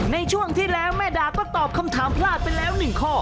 ในช่วงที่แล้วแม่ดาก็ตอบคำถามพลาดไปแล้ว๑ข้อ